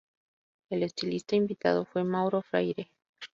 El estilista invitado fue Mauro Freire.